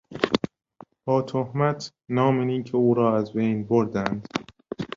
با تهمت نام نیک او را از بین بردند.